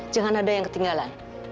jangan ada yang ketinggalan